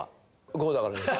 ゴーだからです。